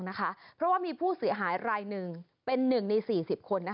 เพราะว่ามีผู้เสียหายรายหนึ่งเป็น๑ใน๔๐คน